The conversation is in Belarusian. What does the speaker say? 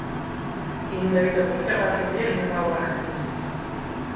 І менавіта тут я бачу вельмі мала актыўнасці.